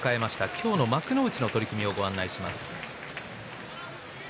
今日の幕内の取組をご案内いたします。